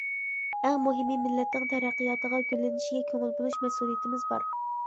ئەڭ مۇھىمى مىللەتنىڭ تەرەققىياتىغا، گۈللىنىشىگە كۆڭۈل بۆلۈش مەسئۇلىيىتىمىز بار.